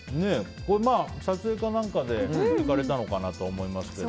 撮影か何かで行かれたのかなと思いますけど。